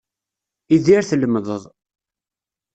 Idir tlemdeḍ.